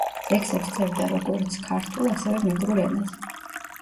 ლექსებს წერდა როგორც ქართულ, ასევე მეგრულ ენაზე.